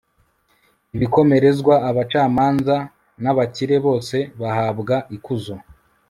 ibikomerezwa, abacamanza, n'abakire, bose bahabwa ikuzo